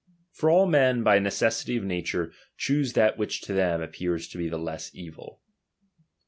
For all men, by a necessity of nature, choose that which to them appears to be the less evil.